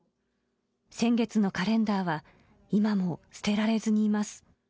先月のカレンダーは今も捨てられずにいます。